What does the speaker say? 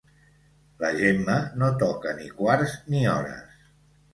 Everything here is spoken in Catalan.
La Gemma no toca ni quarts ni hores.